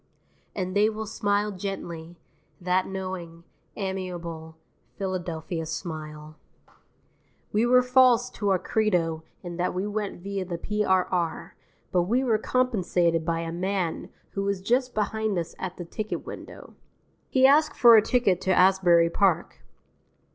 And they will smile gently, that knowing, amiable Philadelphia smile. We were false to our credo in that we went via the P.R.R., but we were compensated by a man who was just behind us at the ticket window. He asked for a ticket to Asbury Park.